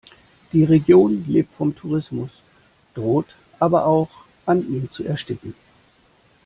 Die Region lebt vom Tourismus, droht aber auch an ihm zu ersticken.